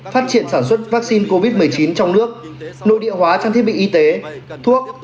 phát triển sản xuất vaccine covid một mươi chín trong nước nội địa hóa trang thiết bị y tế thuốc